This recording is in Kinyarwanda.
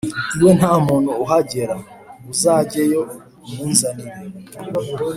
iwe nta muntu uhagera, uzajyeyo umunzanire.”